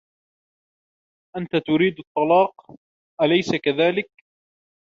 أنتَ تريد الطلاق, أليس كذلك ؟